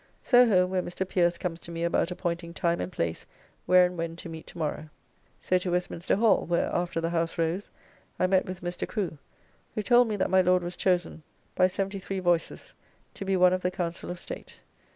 So home, where Mr. Pierce comes to me about appointing time and place where and when to meet tomorrow. So to Westminster Hall, where, after the House rose, I met with Mr. Crew, who told me that my Lord was chosen by 73 voices, to be one of the Council of State.